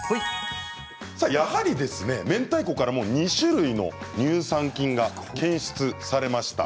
やはり、めんたいこからも２種類の乳酸菌が検出されました。